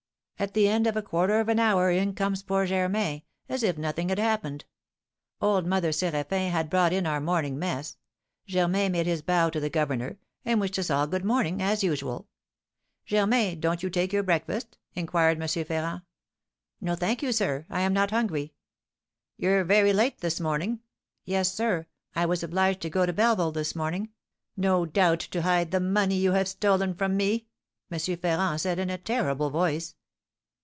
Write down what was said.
At the end of a quarter of an hour in comes poor Germain, as if nothing had happened. Old Mother Séraphin had brought in our morning mess. Germain made his bow to the governor, and wished us all 'good morning,' as usual. 'Germain, don't you take your breakfast?' inquired M. Ferrand. 'No, thank you, sir, I am not hungry.' 'You're very late this morning.' 'Yes, sir; I was obliged to go to Belleville this morning.' 'No doubt to hide the money you have stolen from me!' M. Ferrand said, in a terrible voice."